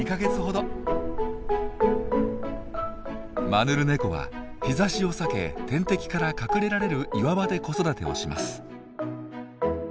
マヌルネコは日ざしを避け天敵から隠れられる岩場で子育てをします。